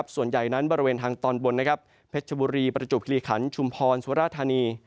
ส่วนใหญ่นั้นบริเวณทางตอนบนเพชรชบุรีประจวบคิริขันชุมพรสุราธานี